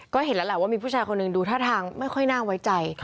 ก็เห็นแล้วแหละว่ามีผู้ชายคนหนึ่งดูท่าทางไม่ค่อยน่าไว้ใจ